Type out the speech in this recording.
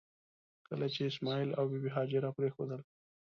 کله چې یې اسماعیل او بي بي هاجره پرېښودل.